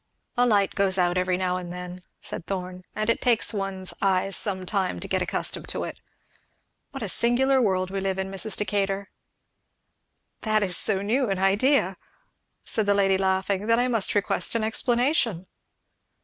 "A light goes out every now and then," said Thorn, "and it takes one's eyes some time to get accustomed to it. What a singular world we live in, Mrs. Decatur!" "That is so new an idea," said the lady laughing, "that I must request an explanation."